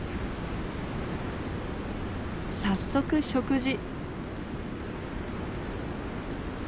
早速食事。